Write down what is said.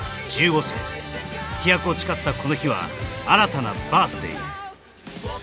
青１５歳飛躍を誓ったこの日は新たなバース・デイ